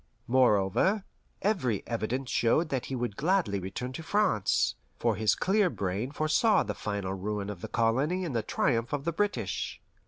Moreover, every evidence showed that he would gladly return to France, for his clear brain foresaw the final ruin of the colony and the triumph of the British.